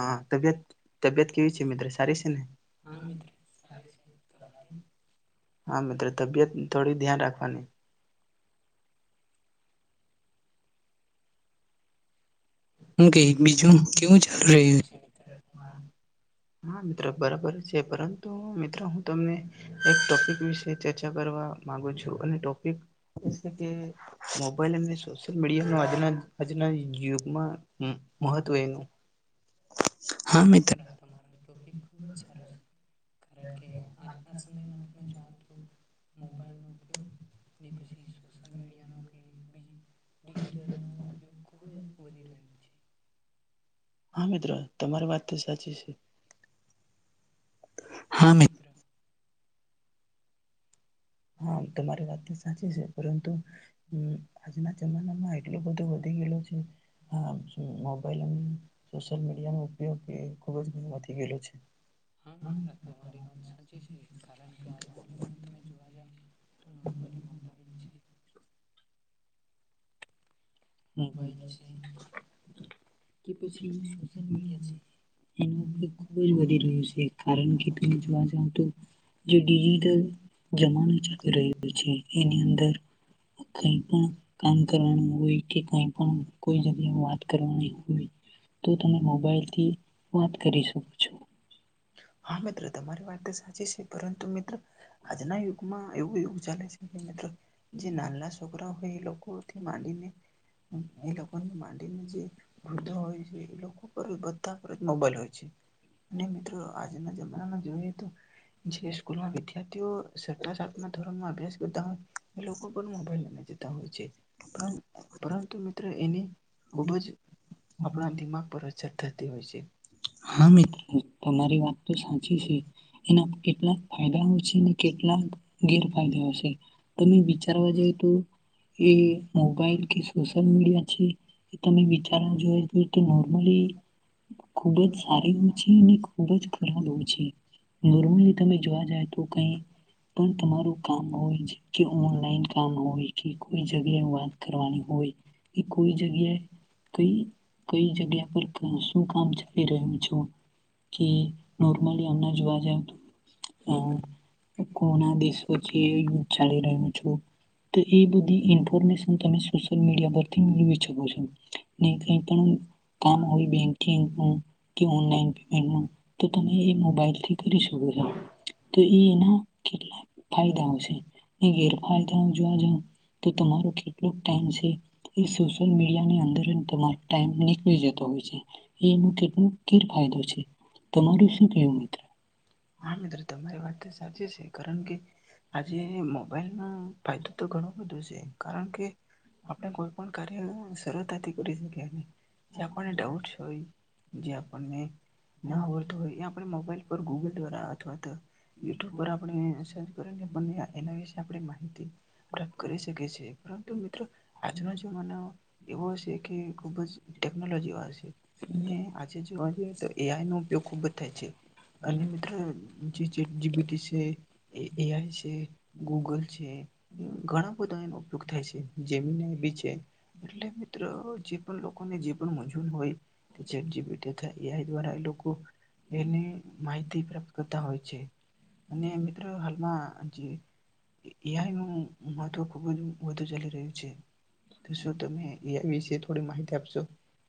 હા તબિયત તબિયત કેવી છે મિત્રો સારી છે ને હા મિત્રો તબિયત થોડી ધ્યાન રાખવાની હું કહી બીજું કેવું ચાલુ રહ્યું છે હા મિત્રો બરાબર છે પરંતુ મિત્રો હું તમને એક ટોપિક વિશે ચર્ચા કરવા માગુ છું અને ટોપિક એ કે મોબાઈલ અને સોશલ મીડિયા ન આજનાજના યુગમાં હમ મહત્વ એનું હા મિત્ર તમારો ટોપિક ખૂબ જ સારો છે કારણ કે આજના સમયમાં તમે જાઓ તો મોબાઈલનો ઉપયોગ ને પછી સોશિયલ મીડિયાનો કે બજી ડિજિટલનો ઉપયોગ ખૂબ જ વધી રહ્યો છે હા મિત્રો તમારી વાત તો સાચી છે હા મિત્ર. હા તમારી વાત તો સાચી છે પરંતુ હમ્મ આજના જમાનામાં એટલું બધું વધી ગયેલું છે હા શું મોબાઈલ નું સોશિયલ મીડિયાનો ઉપયોગ એ ખુબ જો વધી ગયલો છે. હા મિત્ર તમારી વાત સાચી છે કારણ કે આજના યુગમાં તમે જો [inaudible] મોબાઈલ છે કે પછી સોશિયલ મીડિયા છે એનો ઉપયોગ ખુબ જ વધી રહ્યો છે. કારણ કે તમે જોવા જાવ તો જે ડિજિટલ જમાનો ચાલી રહ્યો છે એની અંદર અઈ પણ કામ કરવાનું હોય કે કઈ પણ કોઈ જગ્યા વાત કરવાની હોય તો તમે મોબાઈલથી વાત કરી શકો છો. હા મિત્રો તમારી વાત તો સાચી છે. તે પરંતુ મિત્ર આજના યુગમાં એવું યુગ ચાલે છે કે મિત્ર જે નાના છોકરા હોય એ લોકોથી માંડીને એ લોકોને માંડીને જે વૃદ્ધો હોય છે એ લોકો પર બ ત મોબાઈલ હોય છે. અને મિત્રો ના જમડામાં જોઈએ તો જે સ્કૂલમાં વિદ્યાર્થીઓ સટ્ટા સાતમાં ધોરણ આ અભ્યાસ કરતા હોય એ લોકો પણ મોબાઈલ લને જ. નવું છે પરંતુ મિત્રો એની ખુબ જ આપણા દિમાગ પર. [unintelligible] હોય છે. હા મેિ મારી વાત તો સાચી છે એના કેટલાક ફાયદાઓ છે ને. કેટલાક ગેરફાયદા હશે તમે વિચારવા જ તો. એ મોબાઈલ. કે સોશિયલ મીડિયા છે એ તમે વિચારવા જો તો નોર્મલી. ખૂબ જ સારી ઓછી અને ખૂબ જ ખરાબ ઓછી નોર્મલી તમે જોવા જાય તો કઈ પણ તમારું કામ હોય જે કે ઓનલાઈન કામ હોય કે કોઈ જગ્યાએ વાત કરવાની હોય કે કોઈ જગ્યાએ કઈ કઈ જગ્યા પર શું કામ છે. કે નોર્મલીમ જોવા જ તો કોના દેશ વચ્ે ચાલી રહ્યું છ તો એ બધી ઇન્ફોર્મેશન તમે સોશિયલ મીડિયા પરથી મેળવી શકો છો નહી કઈ પણ કામ હોય બેંકિંગ. તો તમે એ મોબાઈલથી કરી શકો છો તો એના કેટલા ફાયદાઓ છે ગેરફાયદાઓ જોવા જાવ તો તમારો કેટલો ટાઈમ છે એ સોશયલ મીડિયાની અંદરરો ટાઈમ નીકળી જતો હોય છે એ. કેર ફાયદો છે તમારું શું કું મિત્રો. હા મિત્ર તમારી વાત. તે સાચી છે કારણ કે. આજે મોબાઈલ હા ફાયદો તો ઘણું બધો છે કારણ કે આપણે કોઈ પણ કાર્ય સરળતાથી કરી શકી જે આપણને ડાઉટ હોય જે આપણને. ના હોય તો હોય એ આપે મોબાઈલ. ગૂગલ. દ્વારા અથવા તો. યુટ્યુબ પર આપણે સર્ચ કરીને એના વિશે આપણે માહિતી પ્રાપ્ત કરી શકીએ છએ પરંતુ મિત્રો આજનો જમાનો એવો છે કે ખુબ જ ટેકનોલોજી વા છે અને આજે જો. તો એ આઈ નો ઉપયોગ ખુબ જ થાય છે. અને. જે જી બીટી છે. એ એઆઈ છે ગૂગલ છે ઘણા બધા એનો ઉપયોગ થાય છે જેમી બી છે એટલે મિત્ર જે પણ લોકોને જે પણ મૂજવન હોય. કે ચડજી બેટે થાય. દ્વારા એ લોકો એની માહિતી. કરતા હોય છે. અને મિત્રો હાલમાં. એઆઈ નું મહત્વ ખુબ જ વધુ ચાલી રહ્યું છે તો શું તમે એઆઈ વિશે થોડી માહિતી આપશો.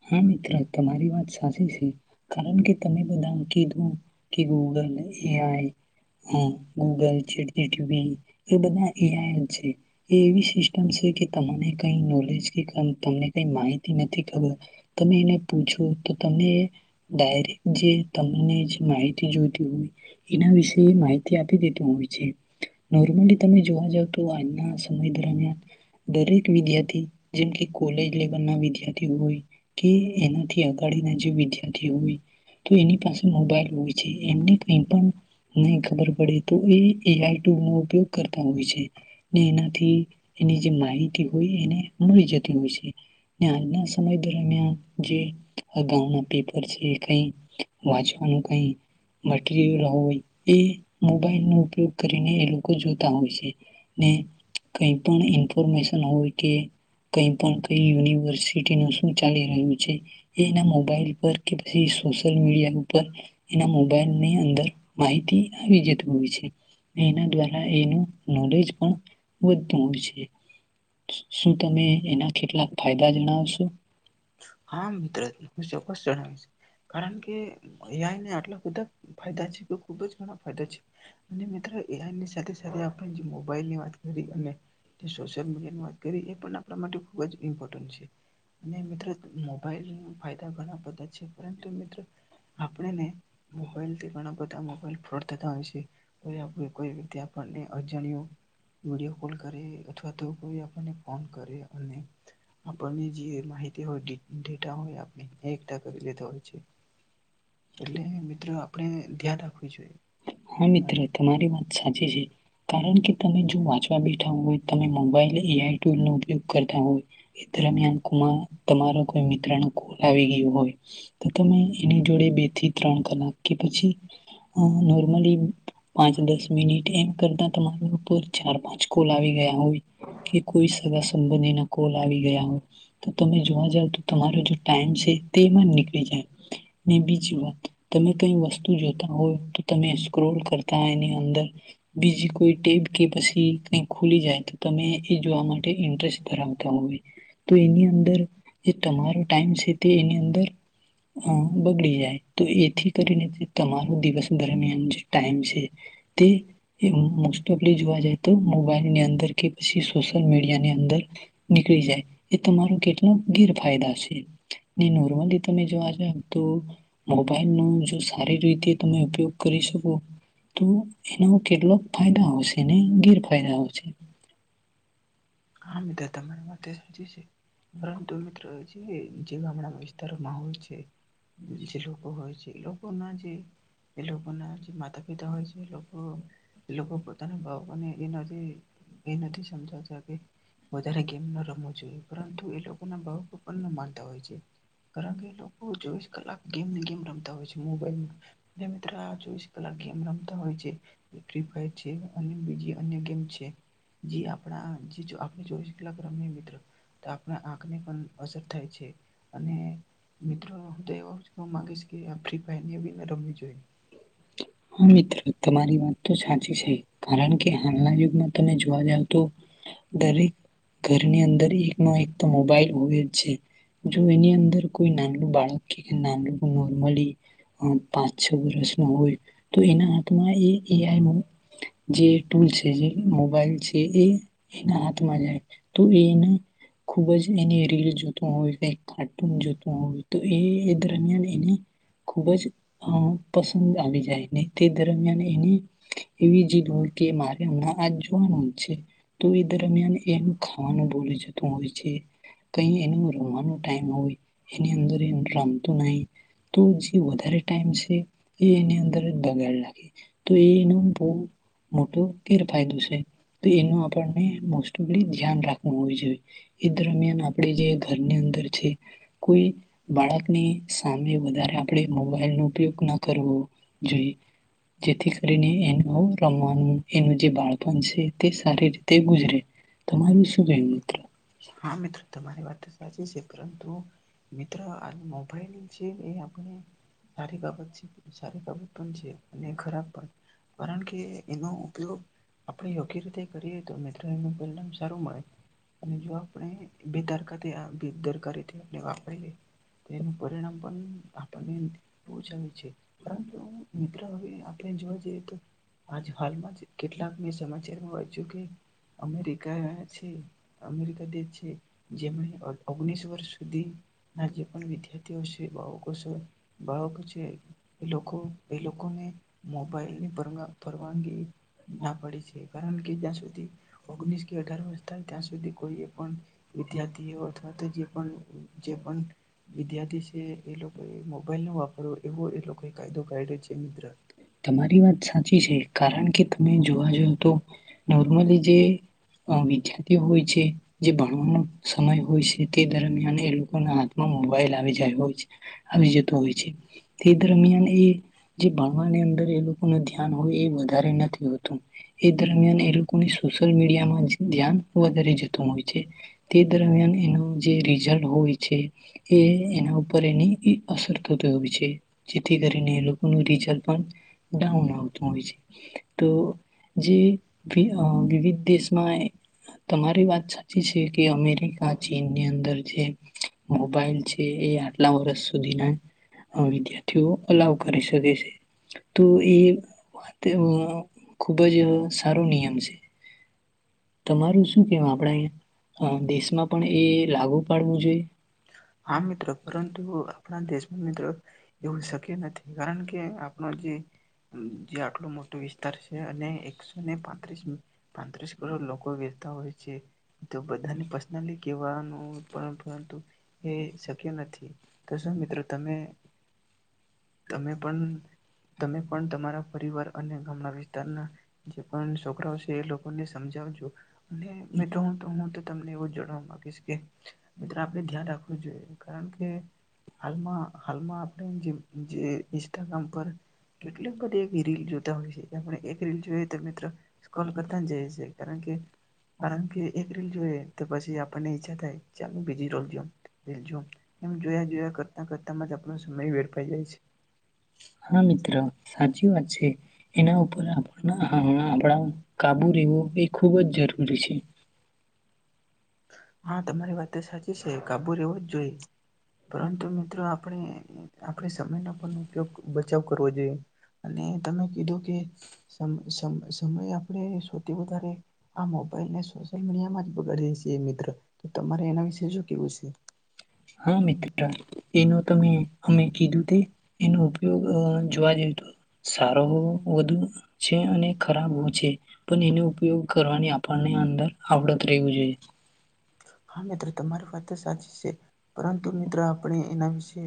હા મિત્ર તમારી વાત સાચી છે કારણ કે તમે બધા કીધું. કે ગૂગલ એ આઈ હ ગૂગલ ચ એ બધા એઆઈ છે. એવી સિસ્ટમ સ્વી. તમાને કઈ નોલેજ કે તમને કઈ માહિતી નથી ખબર. તમે એને પૂછો તો તમે ડાયરેક જે તમને જે માહિતી જોઈતી હોય એના વિશે માહિતી આપી દેત હોય છે નોર્મલી તમે જોવા જાવ તો આજના સમય દરમિયાન દરેક વિદ્યાર્થી જેમ કે કોલેજ લેવલ ના વિદ્યાર્થી હોય. કે એનાથી અગાડીના જે વિદ્યાર્થી હોય તો એની પાસે મોબાઈલ હોય છે એમને કઈ પણ નહી ખબર પડે તો એ એઆઈ ટુબ નો ઉપયોગ કરતા હોય છે ને એનાથી એની જે માહિતી હોય એને મળી જતી હોય છે ને આજના સમય દ. ગાઉના પેપ છે કઈ વાંચવાનું કઈ મટીરિયલ હોય એ મોબાઈલ નો ઉપયોગ કરીને એ લોકો જોતા હોય છે ને કઈ પણ ઇન્ફોર્મેશન હોય કે કઈ પણ કઈ યુનિવર્સિટી ન શું. ચાલી રહ્યું છે એના મોબાઈલ પર કે પછી સોશિયલ મીડિયા ઉપર એના મોબાઈલની અંદર માહિતી આવી જતી હોય છે એના દ્વારા એનું નોલેજ પણ વધતું હોય છે શું તમે એના કેટલાક ફાયદા જણાવશો. હા મિત્ર ચોકસ જણ. કારણ કે. યાય નહી આટલા ખધા. ફાયદા છે તો ખૂબ જ. ફાયદા છે અને મિત્રો એની સાથે સાથેણે જે મોબાઈલની વાત કરી અને સોશિયલ મીડિયા ની વાત કરી એ પણ આપણા માટે ખુબ જ ઇમ્પોર્ટન્ટ છે અને મિત્રો. મોબાઈલ ફાયદા ઘણા બધા છે પરંતુ મિત્રો આપણેને મોબાઈલથી ઘણા બધા મોબાઈલ ફ્રોડ થતા હોય છે. ફ ભૂ કોઈી. તે આપણને અજાણ્યો વિડીયો કોલ કરે અથવા તો કોઈ આપણને ફોન કરે અને આપણને જે માહિતી હોય. ડેટા હોય આપને એક ટ કરી લેતા હોય છે. એટલે મિત્રો આપ. આપણે દ્યા દ આપખવા. હા મિત્ર તમારી વાત સાચી છે કારણ કે તમે જો વાંચવા બેઠા હોય. તમે મોબાઈલ એ આઈ ટલ નો ઉપયોગ કરતા હોય એ દરમિયાન તમારો કોઈ મિત્ર ન કોલ આવી ગયો હોય તો તમે એની જોડે બે થી ત્રણ કલાક કે પછી. નોર્મલી પાંચ દસ મિનિટ એમ કરતા તમારા ઉપર ચાર પાંચ કોલ આવી ગયા હોય કે કોઈ સગા સંબંધી ના કોલ આવી ગયા હોય તો તમે જોવા જાવ તો તમારો ટાઈમ છે તેમાં જ નીકળી જાય બીજી વાત તમે કઈ વસ્તુ જોતા હોય. તમે સ્ક્રોલ કરતા એની અંદર બીજી કોઈ ટેબ કે પછી કઈ ખુલી જાય તો તમે એ જોવા માટે ઇન્ટરેસ્ટ ધરાવતા હોય તો એની અંદર જે તમારો ટાઈમ છે તે એની અંદર બગડી જાય તો એથી કરીને તમારો દિવસ. ટમ છે તે મોસ્ટ ઓફલી જોવા જાય તો મોબાઈલની અંદર કે પછી સોશિયલ મીડિયા ની અંદર નીકળી જાય એ તમારો કેટલો ગેરફાયદા છે નોર્મલી તમે જોવા જ તો મોબાઈલ ન જો સારી રીતે તમે. ઉપયોગ કરી શકો તો એના કેટલાક ફાયદા આવશે ને ગેરફાયદા આવશે. હા મિત્ર તમારા માટેી છે. પરંતુ મિત્ર જે જે ગામડા વિસ્તાર માહોલ છે. જે લોકો હોય છે. એ લોકોક ના છે એ લોકોક ના જે માતા પિતા હોય છે એ લોકો એ લક પોતાના બાાવુને એ દ ન જે. એ નથી સમજાતા. [inaudible] વધારે ગેમ ના રમવું જોઈએ પરંતુ એ લોકો ના ભાવકો પણ ના માનતા હોય છે કારણ કે એ લોકો ચોવીસ કલાક ગમ ગમ રમતા હોય છે મોબાઈલમાં મિત્ર આ ચોવીસ કલાક ગેમ રમતા હોય છે. એટ્રીફાઈ છે. અને બીજી અન્ય ગેમ છે. જે આપણા જી જો જો [unintelligible] મિત્ર તો આપણા આંખને પણ અસર થાય છે અને મિત્રો તે એવા [unintelligible] રમવી જોઈએ. હા મિત્ર તમારી વાત તો સાચી છે કારણ કે હાલના યુગના તમે જોવા જાવ તો દરેક ઘરની અંદર એક ન એક તો મોબાઈલ હોય જ છે, જો એની અંદર કોઈ નાનલું બાળક કે નાનલું નોર્મલી પાંચ છ વર્ષમાં હોય તો એના હાથમાં એ કે એ આઈ જે ટૂલ છે જે મોબાઈલ છે એ એના હાથમાં જાય તો એને ખૂબ જ એને રીલ જોત હોય, ક કાર્ટૂન જોતું હોય, તો એ દરમિયાન એને ખૂબ જ અ પસંદ આવી જાય. ને તે દરમિયાન એને એવી જીદ હોય કે મારે હમણાં આજ જોવાનું જ છે, તો એ દરમિયાન એનું ખાવાનું બોલી જતું હોય છે, કઈ એનું રમવાનો ટાઈમ હોય એની અંદર એ રમતું નહી તો જે વધારે ટાઈમ છે એ એની અંદર બગાડ લાખે તો એનો બહ મોટો ગેરફાયદો છે તો એનું આપણને મોસ્ટોફલી ધ્યાન રાખવું હોય જોઈએ એ દરમિયાન આપણે જે ઘરની અંદર છે કોઈ બાળકની સામે વધારે આપણે મોબાઈલ નો ઉપયોગ ન કરવો જોઈ જેથી કરીને એનું રમવાનું એનું જે બાળપણ છે તે સારી રીતે ગુજરે. તમારું શું કયું મિત્ર. હા મિત્ર તમારી વાત સાચી છે પરંતુ મિત્ર આ મોબાઈલ છે, એ આપની સારી બાબત સારી બાબત પણ છે અને ખરાબ પણ કારણ કે એનો ઉપયોગ આપણે યોગ્ય રીતે કરીએ. તો મિત્ર એનું પરિણામ સારું મળે. મીજવા કઈ બેદર કાતે આ બે દરકારીથી આપણે વાપરીએ તેનું પરિણામ પણ આપણને ઓછ આવે છે, પરંતુ મિત્રો હવે આપણે જોવા જઈએ તો આજ હાલમાં જ કેટલાક મેં સમાચારમાં વાંચ્યું કે અમેરિકા છે અમેરિકા છે જેમણે ઓગણીસ વર્ષ સુધી ના જે પણ વિદ્યાર્થીઓ છે, બાળકો છે, બાળકો છે એ લોકો એ લોકોને મોબાઈલની પરગ પરવાનગી ના પાડી છે કારણ કે જ્યાં સુધી ઓગણીસ કે અઢાર વર્ષ થાય ત્યાં સુધી કોઈ પણ વિદ્યાર્થી અથવા તો જે પણ જે પણ વિદ્યાર્થી છે એ લોકોએ મોબાઈલ નો વાપરોવ એવો એ લોકો કાયદો કાયધો છે મિત્ર તમારી વાત સાચી છે. કારણ કે તમે જોવા જવ તો નોર્મલી જે અ વિદ્યાર્થીઓ હોય છે જે ભણવાનો સમય હોય છે, તે દરમિયાન એ લોકોના હાથમાં મોબાઈલ આવી જાય હોય આવી જતો હોય છે, તે દરમિયાન એ જે મા ની અંદર એ લોકોનું ધ્યાન હોય એ વધારે નથી હોતુ એ દરમિયાન એ લોકોને સોશયલ મીડિયામાં ધ્યાન વધારે જતું હોય છે. તે દરમિયાન એનો જે રિઝલ્ટ હોય છે એ એના ઉપર એની અસર થતો હોય છે જેથી કરીને એ લોકોનું રિઝલ્ટ પણ ડાઉન આવતું હોય છે તો જે વિ વિવિધ દેશમાં તમારી વાત સાચી છે, કે અમેરિકા ચીનની અંદર જે મોબાઈલ છે એ આટલા વર્ષ સુધીના અ વિદ્યાર્થીઓ અલાવ કરી શકે છે. તો એ વાતે વ ખુબ જ એઉં સારો નિયમ છે. તમારું શું કે આપણે અયા અ દેશમાં પણ એ લાગુ પાડવું જોઈએ. હા મિત્ર પરંતુ આપણા દેશ મિત્ર એવું શક્ય નથી કારણ કે, આપણો જે જે આટલો મોટો વિસ્તાર છે. અને એકસોને પાંત્રીસ પાંત્રીસ કરોડ લોકો રેતા હોય છે. તો બધાને પર્સનલિ કેવાનું પરંતુ એ શક્ય નથી. તો શું મિત્ર તમે તમે પણ તમે પણ તમારા પરિવાર અને ગામડા વિસ્તારના જે પણ છોકરાઓ છે એ લોકોને સમજાવજો. ને મિત્રો હું તો હું તો તમને એવું [unintelligible] માંગુ ઈસ કે મિત્ર આપડણે ધ્યાન રાખું. કારણ કે હાલમાં હાલમાં આપણે જે જે ઇન્સ્ટાગ્રામ પર કેટલીક બધી એક રિલ જો તા હોય છે આપણે એક રીલ જોઈએ તો મિત્રો સ્ક્રોલ કતાજ જઈ છે કારણ કે કારણ કે, એક રીલ જોઈએ તો પછી આપને ઈચ્છ થાય છે જેાલમે બી રોલ દઉમ. એમ જોયા જોયા કરતા કરતામાં જ આપણો સમય વેરપાઈ જાય છે. હા મિત્રો સાચી વાત છે એના ઉપર આપ આપણા કાબુ રહેેવું એ ખૂબ જ જરૂરી છે. હા તમારી વાત સાચી. છે કાબુ રહે એવું જ જોઈએ. પરંતુ મિત્રો આપણે. આપણે સમયનો પણ ઉપયોગ બચાવ કરવો જોઈએ અને તમે કીધું કે સમય આપણે સૌથી વધારે આ મોબાઈલ ને સોશિયલ મીડિયામાં જ બગાડી દ છએ. મિત્ર તો તમારે એના વિશે શ કેવું છે. હા મિત્ર એનો તમે અમે કીધું તે એનો ઉપયોગ જોવા જઈએ તો સારો વધુ છે અને ખરાબ હો છે પણ એનો ઉપયોગ કરવાની આપણને અંદર આવડત. [unintelligible] હા મિત્રો તમારી વાત તો સાચી છે. પરંતુ મિત્ર આપણે એના વિશે.